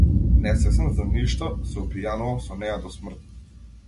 Несвесен за ништо, се опијанувам со неа до смрт.